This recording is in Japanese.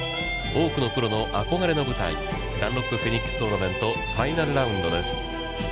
多くのプロの憧れの舞台ダンロップフェニックストーナメント、ファイナルラウンドです。